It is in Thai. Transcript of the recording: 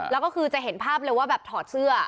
แล้วก็คือจะเห็นภาพเลยว่าแบบถอดเสื้อ